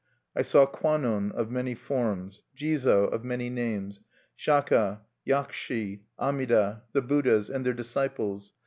I saw Kwannon, of many forms; Jizo, of many names; Shaka, Yakushi, Amida, the Buddhas and their disciples.